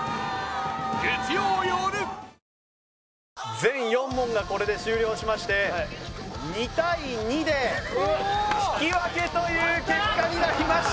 全４問がこれで終了しまして２対２で引き分けという結果になりました。